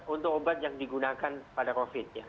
untuk obat yang digunakan pada covid ya